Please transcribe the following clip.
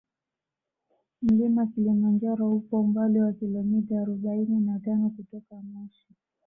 Mlima kilimanjaro upo umbali wa kilometa arobaini na tano kutoka moshi